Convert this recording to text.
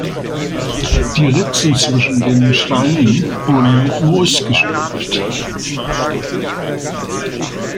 Die Ritzen zwischen den Steinen wurden mit Moos gestopft.